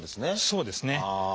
そうですね。